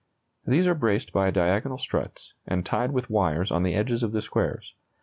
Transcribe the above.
These are braced by diagonal struts, and tied with wires on the edges of the squares.